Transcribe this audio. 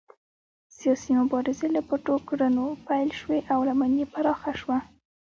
سیاسي مبارزې له پټو کړنو پیل شوې او لمن یې پراخه شوه.